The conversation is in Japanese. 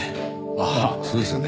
ああそうですよね。